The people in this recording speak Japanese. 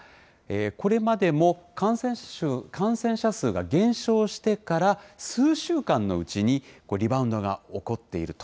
これまでも感染者数が減少してから、数週間のうちにリバウンドが起こっていると。